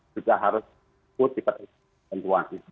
juga harus ikut